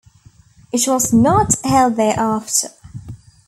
It was not held thereafter.